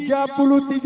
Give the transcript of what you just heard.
dari kabupaten gotasembur